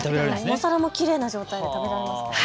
お皿もきれいな状態で食べられます。